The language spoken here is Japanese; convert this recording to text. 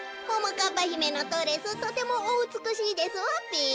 かっぱひめのドレスとてもおうつくしいですわべ。